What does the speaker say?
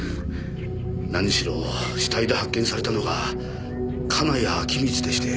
何しろ死体で発見されたのが金谷陽充でして。